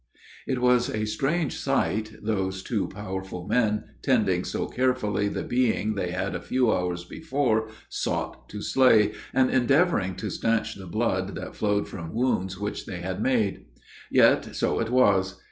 It was a strange sight, those two powerful men tending so carefully the being they had a few hours before sought to slay, and endeavoring to stanch the blood that flowed from wounds which they had made! Yet so it was.